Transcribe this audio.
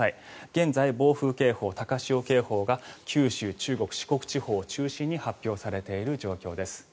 現在、暴風警報、高潮警報が九州、中国、四国地方を中心に発表されている状況です。